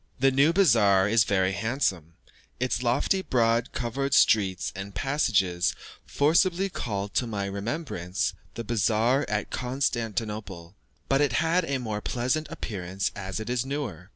The new bazaar is very handsome, its lofty, broad covered streets and passages forcibly called to my remembrance the bazaar at Constantinople; but it had a more pleasant appearance as it is newer.